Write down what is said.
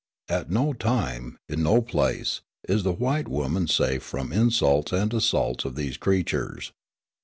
At no time, in no place, is the white woman safe from insults and assaults of these creatures."